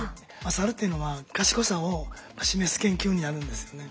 サルっていうのは賢さを示す研究になるんですよね。